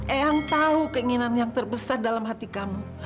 eyang tahu keinginan yang terbesar dalam hati kamu